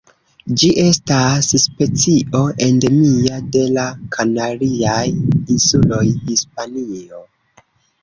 Ĝi estas specio endemia de la Kanariaj Insuloj, Hispanio.